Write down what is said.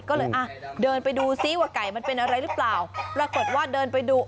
ก็เลยอ่ะเดินไปดูซิว่าไก่มันเป็นอะไรหรือเปล่าปรากฏว่าเดินไปดู